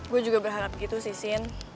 gue juga berharap gitu sih sin